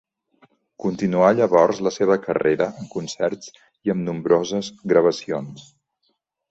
Continuà llavors la seva carrera en concerts i amb nombroses gravacions.